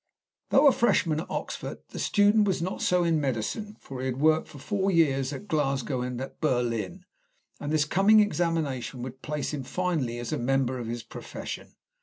Though a freshman at Oxford, the student was not so in medicine, for he had worked for four years at Glasgow and at Berlin, and this coming examination would place him finally as a member of his profession.